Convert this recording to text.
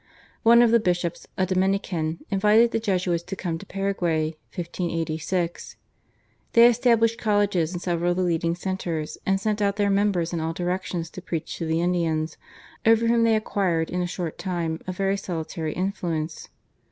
One of the bishops, a Dominican, invited the Jesuits to come to Paraguay (1586). They established colleges in several of the leading centres, and sent out their members in all directions to preach to the Indians, over whom they acquired in a short time a very salutary influence.